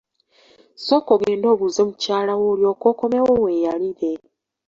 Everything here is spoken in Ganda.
Sooka ogende obuuze mukyala wo olyoke okomewo weeyalire.